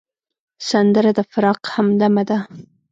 سندره د فراق همدمه ده